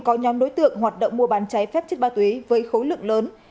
có nhóm đối tượng hoạt động mua bán cháy phép chất ma túy với khối lượng lớn